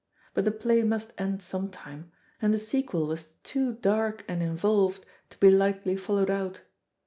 But the play must end some time, and the sequel was too dark and involved to be lightly followed out.